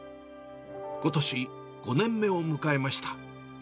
ことし、５年目を迎えました。